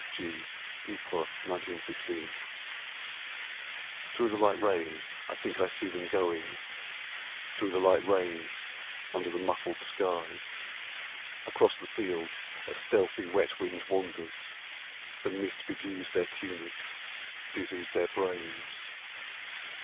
S. G., YPRES, 1916) Through the light rain I think I see them going, Through the light rain under the muffled skies; Across the fields a stealthy wet wind wanders, The mist bedews their tunics, dizzies their brains.